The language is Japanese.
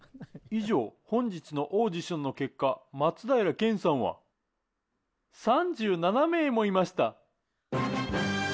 以上本日のオーディションの結果松平健さんは３７名もいました。